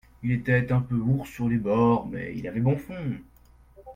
Il était un peu ours sur les bords, mais il avait bon fond.